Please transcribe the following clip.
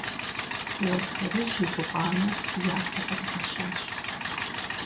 Уэрсэрыжь и гукъанэр япэ къригъэщащ.